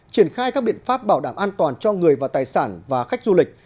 triển khai các biện pháp bảo đảm an toàn cho người và tài sản và khách du lịch